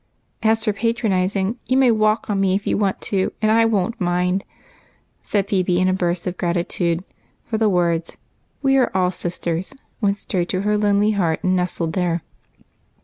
As for patronizing, you may walk on me if you want to, and I won't mind," said Phebe, in a burst of grati tude, for the words, " we are all sisters," went straight to her lonely heart and nestled there.